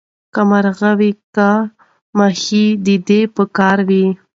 که مرغه وو که ماهی د ده په کار وو